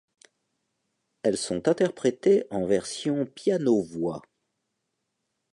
Elles sont interprétées en version piano-voix.